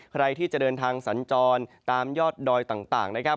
ใครที่จะเดินทางสัญจรตามยอดดอยต่างนะครับ